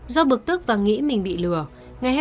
do bực tức và nghĩ mình bị lừa ngày hai mươi ba tháng năm